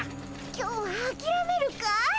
今日はあきらめるかい？